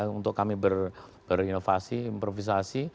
untuk kami berinovasi improvisasi